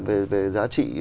về giá trị